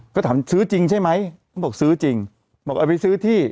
ก็ถามซื้อจริงใช่ไหมเขาบอกซื้อจริงบอกเอาไปซื้อที่